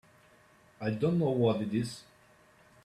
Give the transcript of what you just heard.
I don't know what it is.